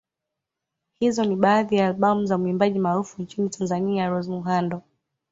Hizo ni baadhi ya albamu za muimbaji maarufu nchini Tazania Rose Muhando